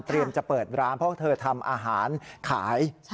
จะเปิดร้านเพราะเธอทำอาหารขาย